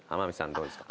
どうですか？